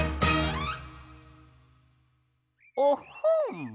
おっほん。